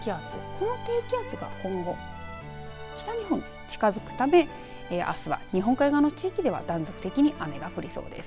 この低気圧が今後北日本に近づくためあすは日本海側の地域では断続的に雨が降りそうです。